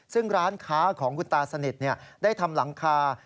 ซึ่งร้านค้าของคุณตาสนิทได้ทำหลังคา